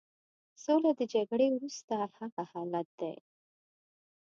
سوله د جګړې وروسته هغه حالت دی.